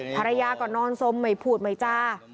ภรรยาก็นอนสมไม่พูดไม่จา